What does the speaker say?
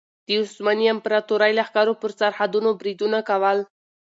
د عثماني امپراطورۍ لښکرو پر سرحدونو بریدونه کول.